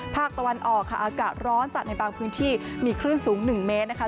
ภาคตะวันออกค่ะอากาศร้อนจัดในบางพื้นที่มีคลื่นสูง๑เมตรนะคะ